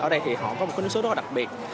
ở đây thì họ có một cái nước sốt rất là đặc biệt